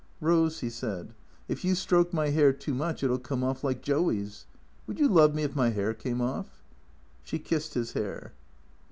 " Rose," he said, " if you stroke my hair too much it '11 come off, like Joey's. Would you love me if my hair came off? " She kissed his hair.